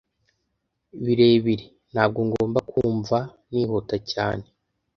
Birebire. Ntabwo ngomba kumva nihuta cyane,